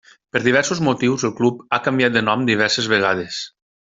Per diversos motius el club ha canviat de nom diverses vegades.